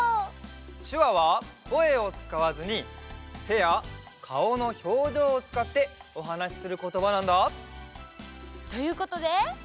しゅわはこえをつかわずにてやかおのひょうじょうをつかっておはなしすることばなんだ。ということでクイズ！